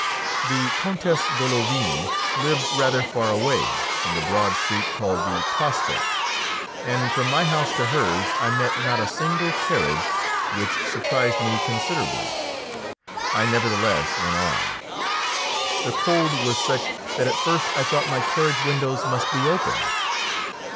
The Countess Golovin lived rather far away, in the broad street called the Prospekt, and from my house to hers I met not a single carriage, which surprised me considerably. I nevertheless went on. The cold was such that at first I thought my carriage windows must be open.